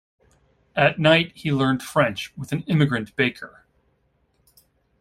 At night he learned French with an immigrant baker.